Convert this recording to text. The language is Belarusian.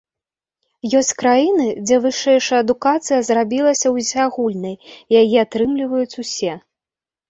Ёсць краіны, дзе вышэйшая адукацыя зрабілася ўсеагульнай, яе атрымліваюць усе.